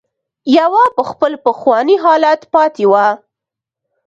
يوه په خپل پخواني حالت پاتې وه.